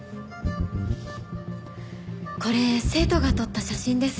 これ生徒が撮った写真です。